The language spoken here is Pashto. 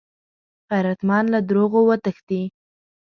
غیرتمند له دروغو وتښتي